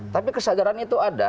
tapi kesadaran itu ada